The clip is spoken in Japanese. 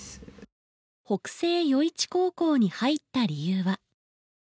北星余市高校に入った理由は。